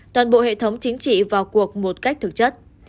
toàn bộ hệ thống chính trị vào cuộc một cách thực chất